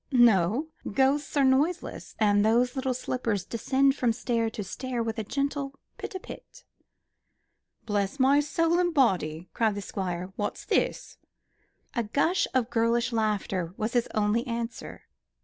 No; ghosts are noiseless, and those little slippers descend from stair to stair with a gentle pit a pit. "Bless my soul and body!" cried the Squire; "what's this?" A gush of girlish laughter was his only answer.